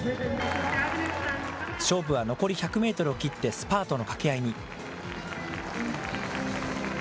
勝負は残り１００メートルを切って、スパートの掛け合いに。